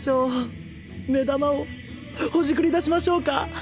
目玉をほじくり出しましょうか。